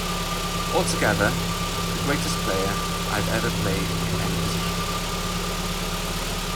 Altogether, the greatest player I've ever played in any position.